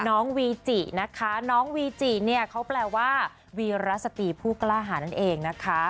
น้องวีจินะคะน้องวีจิเนี่ยเขาแปลว่าวีรสตรีผู้กล้าหานั่นเองนะคะ